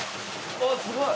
あっすごい！